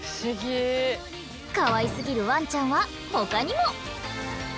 かわいすぎるワンちゃんは他にも。